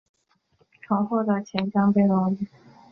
曾获得钱江杯荣誉。